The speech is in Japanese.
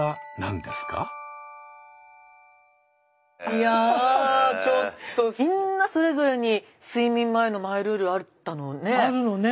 いやちょっとみんなそれぞれに睡眠前のマイルールあったのね。